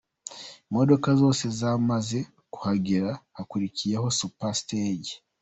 Imodoka zose zamaze kuhagera, hakurikiyeho Super Stage.